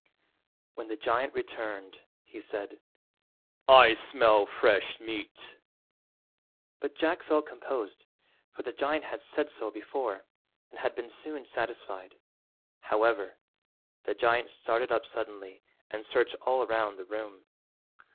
When the giant returned, he said— "I smell fresh meat," but Jack felt composed, for the giant had said so before, and had been soon satisfied; however, the giant started up suddenly and searched all round the room.